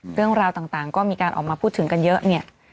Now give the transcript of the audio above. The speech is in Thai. เรื่องราวต่างก็มีการออกมาพูดถึงกันเยอะเนี่ย